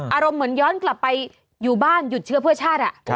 อารมณ์เหมือนย้อนกลับไปอยู่บ้านหยุดเชื้อเพื่อชาติ